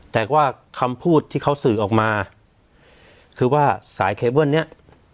แต่ว่าคำพูดที่เขาสื่อออกมาคือว่าสายเคเบิ้ลเนี้ย